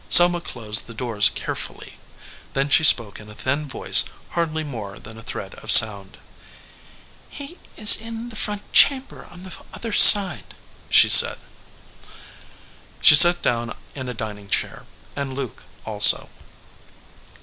Selma closed the doors care fully. Then she spoke in a thin voice, hardly more than a thread of sound. "He is in the front chamber on the other side," she said. She sat down in a dining chair, and Luke also.